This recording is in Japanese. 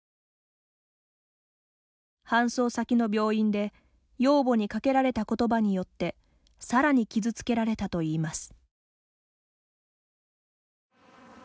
搬送先の病院で養母にかけられた言葉によってさらに傷つけられたといいます。